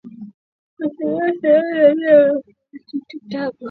Kutumia sindano zaidi ya mara moja kwa matibabu